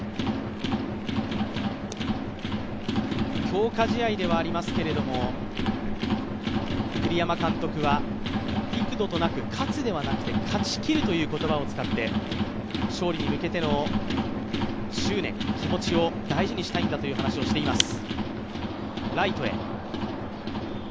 強化試合ではありますけれども、栗山監督は幾度となく勝つではなくて、勝ち切るという言葉を使って勝利に向けての執念、気持ちを大事にしたいんだという話をしています。